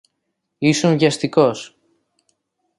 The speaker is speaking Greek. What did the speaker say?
Ήσουν βιαστικός.